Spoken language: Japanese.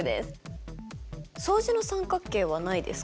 相似の三角形はないですか？